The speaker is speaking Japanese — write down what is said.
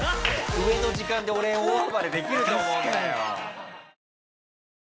上の時間で俺大暴れできると思うんだよ。